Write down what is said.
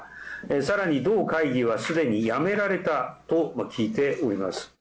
さらに同会議はすでにやめられたと聞いております。